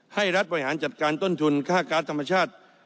รัฐบริหารจัดการต้นทุนค่าการ์ดธรรมชาติ